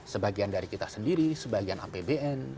sebagian dari kita sendiri sebagian apbn